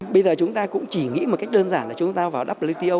bây giờ chúng ta cũng chỉ nghĩ một cách đơn giản là chúng ta vào wto